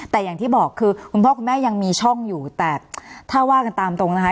แต่อย่างที่บอกคือคุณพ่อคุณแม่ยังมีช่องอยู่แต่ถ้าว่ากันตามตรงนะคะ